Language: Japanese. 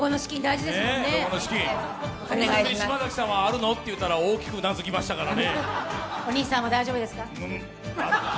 島崎さんにあるのって言ったら、大きくうなずきましたからね。